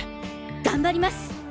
頑張ります！